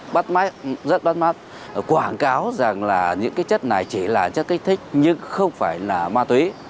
bắt mắt rất bắt mắt quảng cáo rằng là những cái chất này chỉ là chất kích thích nhưng không phải là ma túy